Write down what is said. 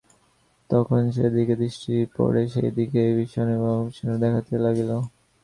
তখন যে দিকে দৃষ্টি পড়ে সেই দিকই বিষণ্ন এবং অপরিচ্ছন্ন দেখাইতে লাগিল।